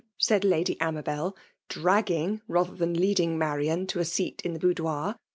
said Lady Amabel, draggiQg rather than loBdimg Marian toaseat in the boudoir.